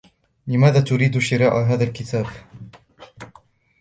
لماذا تريد شراء هذا الكتاب ؟